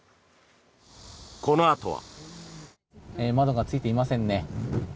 このあとは。